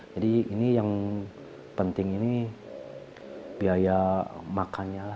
jadi ini yang penting ini biaya makannya